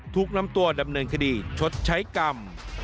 ถูกนำตัวดำเนินคดีชดใช้กรรม